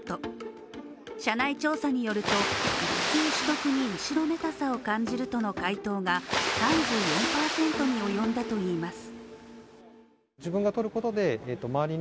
社内調査によると、育休取得に後ろめたさを感じるとの回答が３４％に及んだといいます。